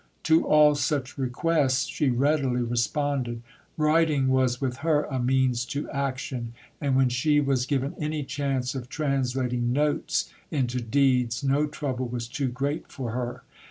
To all such requests she readily responded. Writing was with her a means to action; and when she was given any chance of translating "Notes" into deeds, no trouble was too great for her.